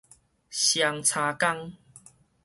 雙叉江